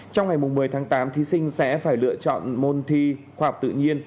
trong ngày một mươi tháng tám thí sinh sẽ phải lựa chọn môn thi khoa học tự nhiên